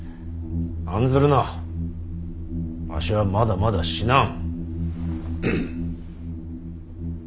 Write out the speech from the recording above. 案ずるなわしはまだまだ死なん。